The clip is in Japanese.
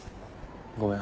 ごめん。